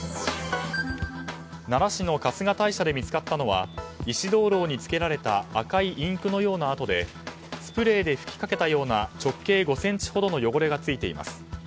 奈良市の春日大社で見つかったのは石灯籠につけられた赤いインクのような跡でスプレーで吹きかけたような直径５ｃｍほどの汚れがついています。